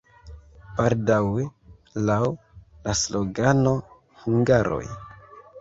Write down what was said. Baldaŭe laŭ la slogano "Hungaroj!